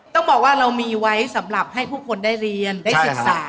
ต้องบอกว่าเรามีไว้สำหรับให้ผู้คนได้เรียนได้ศึกษา